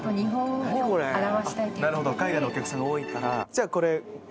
じゃあこれ。